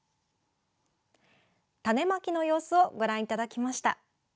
種まきの様子をご覧いただきました。